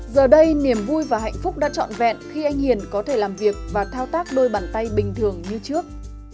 giờ đây niềm vui và hạnh phúc đã trọn vẹn khi anh hiền có thể làm việc và thao tác đôi bàn tay bình thường như trước